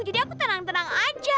jadi aku tenang tenang aja